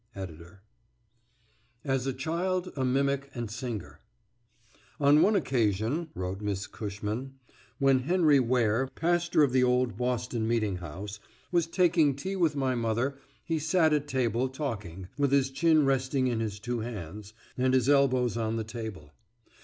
ED.] AS A CHILD A MIMIC AND SINGER On one occasion [wrote Miss Cushman] when Henry Ware, pastor of the old Boston Meeting House, was taking tea with my mother, he sat at table talking, with his chin resting in his two hands, and his elbows on the table.